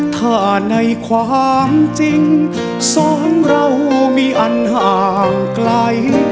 ถ้าในความจริงสองเรามีอันห่างไกล